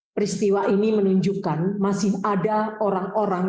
peristiwa ini menunjukkan masih ada orang orang